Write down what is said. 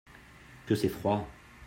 Que c'est froid !